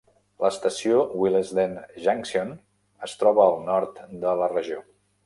L'estació Willesden Junction es troba al nord de la regió.